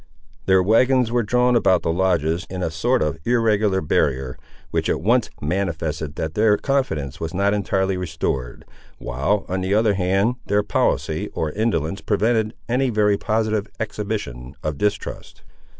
Their wagons were drawn about the lodges, in a sort of irregular barrier, which at once manifested that their confidence was not entirely restored, while, on the other hand, their policy or indolence prevented any very positive exhibition of distrust.